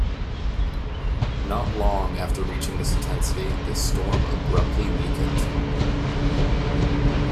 Not long after reaching this intensity, the storm abruptly weakened.